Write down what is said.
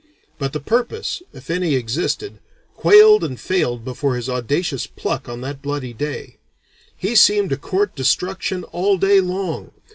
But the purpose, if any existed, quailed and failed before his audacious pluck on that bloody day. He seemed to court destruction all day long.